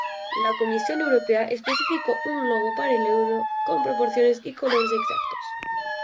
La Comisión Europea especificó un logo para el euro con proporciones y colores exactos.